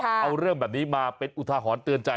เอาเรื่องแบบนี้มาเป็นอุทาหรณ์เตือนใจ